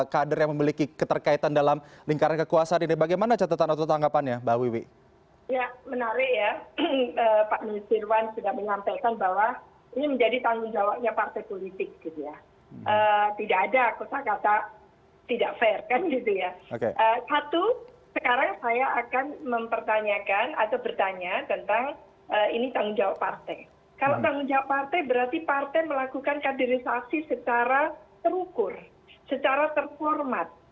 kalau tanggung jawab partai berarti partai melakukan kaderisasi secara terukur secara terformat